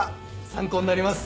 参考になります。